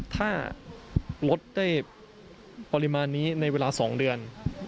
ถ้าลดได้ปริมาณนี้ในเวลา๒เดือน